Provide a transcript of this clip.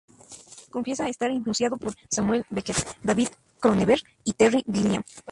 Confiesa estar influenciado por Samuel Beckett, David Cronenberg y Terry Gilliam.